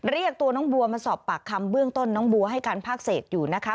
เรียกตัวน้องบัวมาสอบปากคำเบื้องต้นน้องบัวให้การภาคเศษอยู่นะคะ